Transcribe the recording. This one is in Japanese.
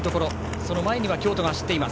その前に京都が走っています。